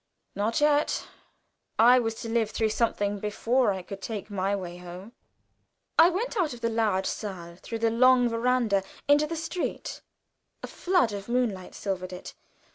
not yet. I was to live through something before I could take my way home. I went out of the large saal through the long veranda into the street. A flood of moonlight silvered it.